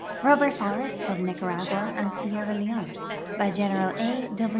RUBBER FORESTS OF NICARAGUA AND SIERRA LEONE By GioNKiiAi, A.